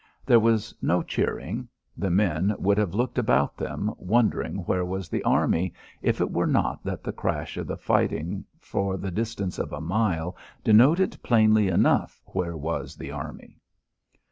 There was no cheering. The men would have looked about them, wondering where was the army, if it were not that the crash of the fighting for the distance of a mile denoted plainly enough where was the army.